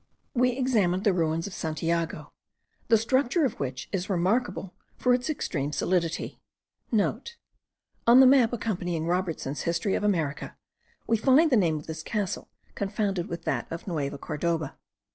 We examined the ruins of Santiago,* the structure of which is remarkable for its extreme solidity. (* On the map accompanying Robertson's History of America, we find the name of this castle confounded with that of Nueva Cordoba.